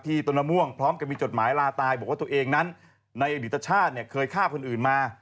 ต้นมะม่วงพร้อมกับมีจดหมายลาตายบอกว่าตัวเองนั้นในอดีตชาติเนี่ยเคยฆ่าคนอื่นมา